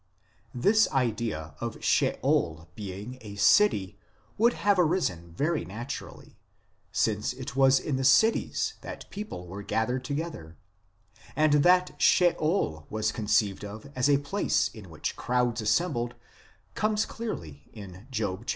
This idea of Sheol being a city would have arisen very naturally, since it was in the cities that people were gathered together ; and that Sheol was conceived of as a place in which crowds assembled comes out clearly in Job xxx.